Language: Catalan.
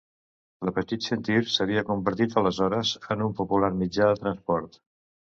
La Petite Ceinture s'havia convertit aleshores en un popular mitjà de transport.